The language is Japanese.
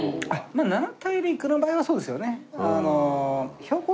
まあ７大陸の場合はそうですよね。